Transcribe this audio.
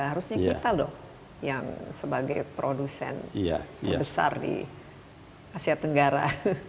harusnya kita dong yang sebagai produsen yang besar di asia tenggara